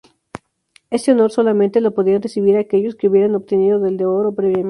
Este honor solamente lo podían recibir aquellos que hubieran obtenido el de Oro previamente.